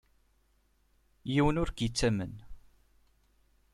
Yiwen ur k-yettamen.